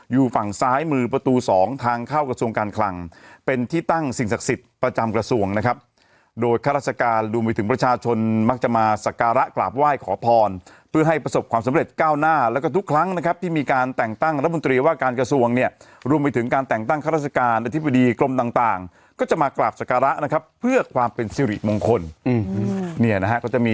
อยู่ฝั่งซ้ายมือประตู๒ทางเข้ากระทรวงการคลังเป็นที่ตั้งสิ่งศักดิ์สิทธิ์ประจำกระทรวงนะครับโดยข้าราชการรวมไปถึงประชาชนมักจะมาสการะกราบไหว้ขอพรเพื่อให้ประสบความสำเร็จก้าวหน้าแล้วก็ทุกครั้งนะครับที่มีการแต่งตั้งระบุนตรีว่าการกระทรวงเนี่ยรวมไปถึงการแต่งตั้งข้าราชการอธิบดีกลม